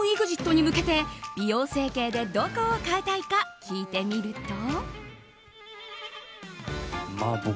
ＥＸＩＴに向けて美容整形でどこを変えたいか聞いてみると。